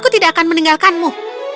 aku tidak akan meninggalkanmu